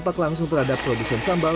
namun isi tayam dan ayamnya kecuali melambung